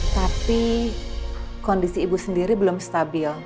tapi kondisi ibu sendiri belum stabil